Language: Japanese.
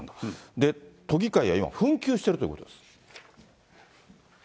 で、都議会は今、紛糾しているということです。